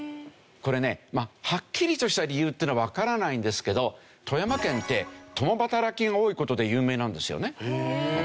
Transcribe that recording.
これねはっきりとした理由っていうのはわからないんですけど富山県って共働きが多い事で有名なんですよね。